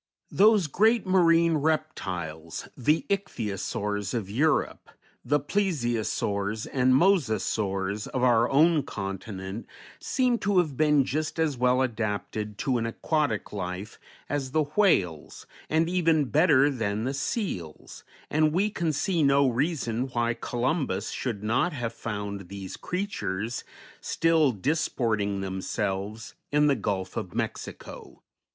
Those great marine reptiles, the Ichthyosaurs, of Europe, the Plesiosaurs and Mosasaurs, of our own continent, seem to have been just as well adapted to an aquatic life as the whales, and even better than the seals, and we can see no reason why Columbus should not have found these creatures still disporting themselves in the Gulf of Mexico.